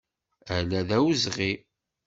Ala d awezɣi!